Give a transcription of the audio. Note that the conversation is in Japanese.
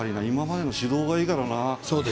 今までの指導がいいからな。